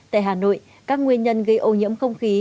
tại hà nội các nguyên nhân gây ô nhiễm không khí